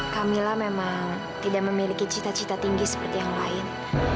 camillah memang tidak memiliki cita cita tinggi seperti yang lain